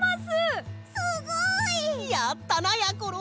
やったなやころ！